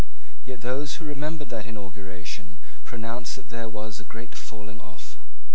Yet those who remembered that inauguration pronounced that there was a great falling off.